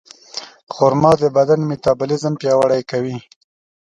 خرما د بدن میتابولیزم پیاوړی کوي.